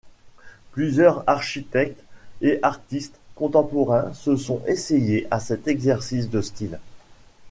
Plusieurs architectes et artistes contemporains se sont essayé à cet exercice de style.